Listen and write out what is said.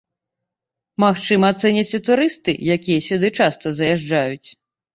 Магчыма ацэняць і турысты, якія сюды часта заязджаюць.